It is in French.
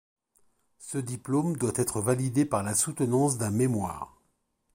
Ce diplôme doit être validé par la soutenance d'un mémoire.